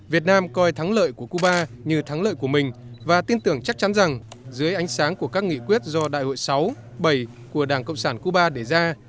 việt nam coi thắng lợi của cuba như thắng lợi của mình và tin tưởng chắc chắn rằng dưới ánh sáng của các nghị quyết do đại hội sáu bảy của đảng cộng sản cuba đề ra